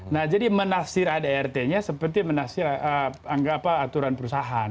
nah jadi menastir adrt nya seperti menastir aturan perusahaan